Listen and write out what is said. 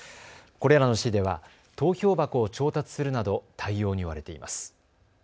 これらの市では投票箱を調達するなど対応に追われています。